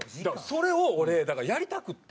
それを俺やりたくて。